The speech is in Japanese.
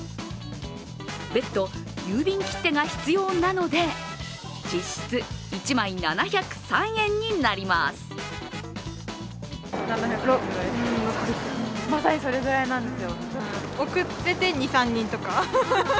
別途郵便切手が必要なので実質１枚７０３円になります。